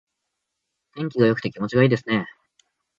天気が良くて気持ちがいいですね。